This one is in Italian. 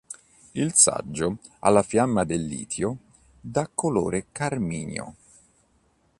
Il saggio alla fiamma del Litio dà colore carminio